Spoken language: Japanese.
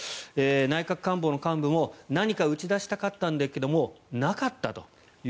内閣官房幹部も何か打ち出したかったんだけどなかったと。